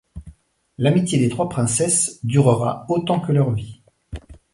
L'amitié des trois princesses durera autant que leur vie.